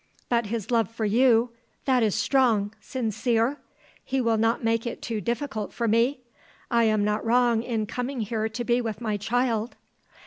But his love for you; that is strong, sincere? He will not make it too difficult for me? I am not wrong in coming here to be with my child?"